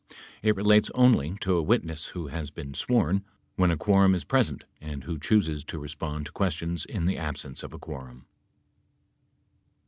It relates only to a witness who has been sworn when a quorum is present and who chooses to respond to questions in the ab sence of a quorum.